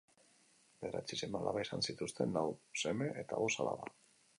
Bederatzi seme-alaba izan zituzten: lau seme eta bost alaba.